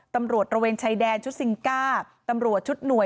ตำรวจระเวนชายแดนชุดซิงก้าตำรวจชุดหน่วย